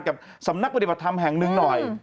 กับสำนักปฏิบัติธรรมแห่งหนึ่งหน่อย